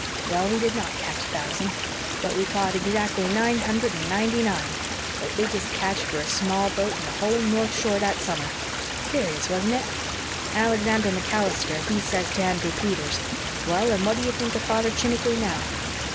'Well, we did not catch a thousand, but we caught exactly nine hundred and ninety nine the biggest catch for a small boat on the whole north shore that summer. Curious, wasn't it? Alexander MacAllister, he says to Andrew Peters, 'Well, and what do you think of Father Chiniquy now?'